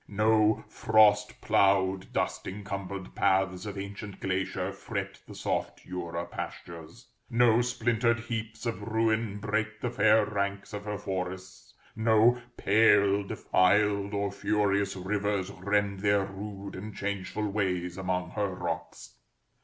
No frost ploughed, dust encumbered paths of ancient glacier fret the soft Jura pastures; no splintered heaps of ruin break the fair ranks of her forests; no pale, defiled, or furious rivers rend their rude and changeful ways among her rocks.